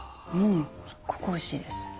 すっごくおいしいです。